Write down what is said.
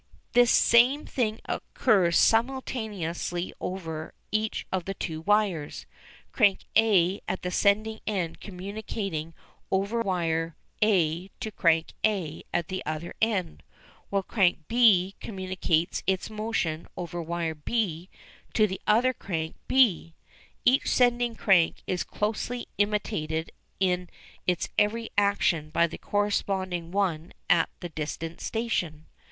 The same thing occurs simultaneously over each of the two wires, crank a at the sending end communicating over wire a to crank a at the other end, while crank b communicates its motion over wire b to the other crank b. Each sending crank is closely imitated in its every action by the corresponding one at the distant station.